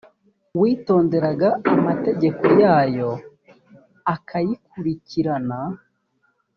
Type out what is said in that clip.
witonderaga amategeko yayo akayikurikirana